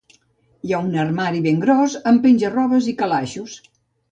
Hi ha un armari ben gros, amb penja-robes i calaixos.